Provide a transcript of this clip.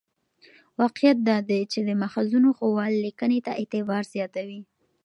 واقعیت دا دی چې د ماخذونو ښوول لیکنې ته اعتبار زیاتوي.